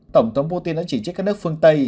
tổng thống putin đã chỉ trích các nước phương tây